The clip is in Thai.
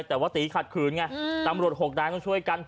แต่ว่าตีขัดขืนไงตำรวจ๖นายต้องช่วยกัน